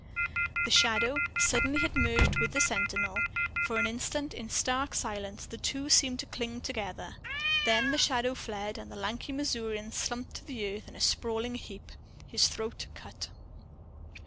The Shadow suddenly had merged with the sentinel. For an instant, in stark silence, the two seemed to cling together. Then the Shadow fled, and the lanky Missourian slumped to the earth in a sprawling heap, his throat cut.